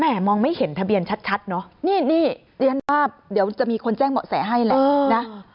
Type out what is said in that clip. มองไม่เห็นทะเบียนชัดเนอะนี่เรียนว่าเดี๋ยวจะมีคนแจ้งเหมาะแสให้แหละนะ